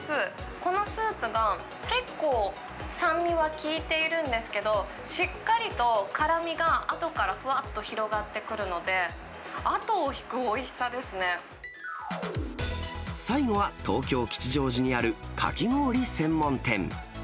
このスープが結構、酸味が効いているんですけど、しっかりと辛みがあとからふわっと広がってくるので、最後は、東京・吉祥寺にあるかき氷専門店。